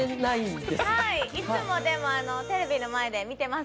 でもいつもテレビの前で見てます。